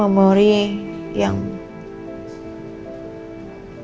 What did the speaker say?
mungkin memori indah yang ada di otak papa